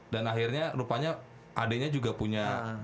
dan akhirnya rupanya ade nya juga punya